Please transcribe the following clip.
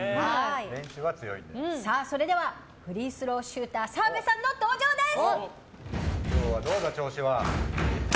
それではフリースローシューター澤部さんの登場です！